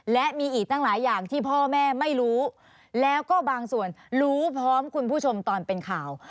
แล้วก็บางส่วนรู้พร้อมคุณผู้ชมตอนเป็นข่าว